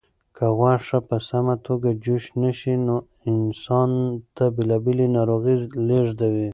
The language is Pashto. که غوښه په سمه توګه جوش نشي نو انسان ته بېلابېلې ناروغۍ لېږدوي.